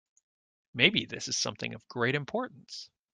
Maybe this is something of great importance.